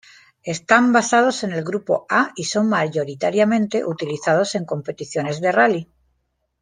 Están basados en el Grupo A y son mayoritariamente utilizados en competiciones de rally.